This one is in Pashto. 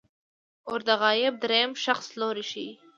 ور د غایب دریم شخص لوری ښيي.